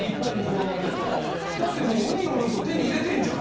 だってもう海のルート手に入れてんじゃん。